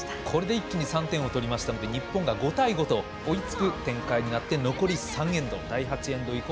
これで一気に３点を取りましたので日本が５対５と追いつく展開になって残り３エンド。